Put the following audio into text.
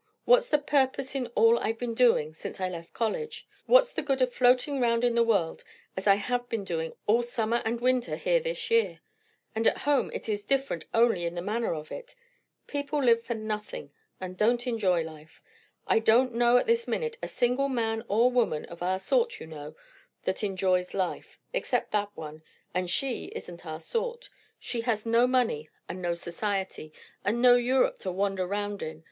What's the purpose in all I've been doing since I left college? What's the good of floating round in the world as I have been doing all summer and winter here this year? and at home it is different only in the manner of it. People live for nothing, and don't enjoy life. I don't know at this minute a single man or woman, of our sort, you know, that enjoys life; except that one. And she isn't our sort. She has no money, and no society, and no Europe to wander round in!